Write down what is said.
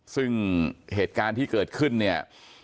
ซึ่งเหตุการณ์ที่เกิดขึ้นเนี่ย